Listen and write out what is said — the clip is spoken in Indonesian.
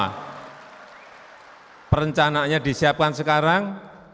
nah perencanaannya disiapkan sekarang